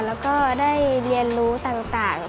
แล้วก็ได้เรียนรู้ต่าง